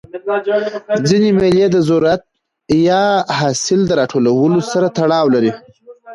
ځيني مېلې د زراعت یا حاصل د راټولولو سره تړاو لري.